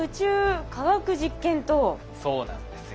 そうなんですよ。